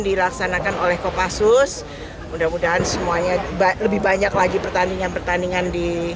dilaksanakan oleh kopassus mudah mudahan semuanya lebih banyak lagi pertandingan pertandingan di